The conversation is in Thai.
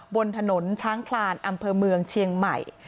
บนถนนช้างคลานอำเภอเมืองเชียงใหม่